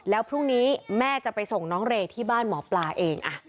แล้วพรุ่งนี้แม่จะไปส่งน้องเรย์ที่บ้านหมอปลาเอง